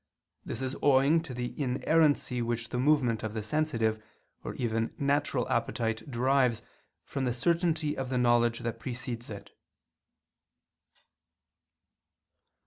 This is owing to the inerrancy which the movement of the sensitive or even natural appetite derives from the certainty of the knowledge that precedes it.